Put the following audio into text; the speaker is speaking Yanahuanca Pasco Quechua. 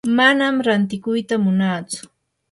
manam rantikuyta munatsu.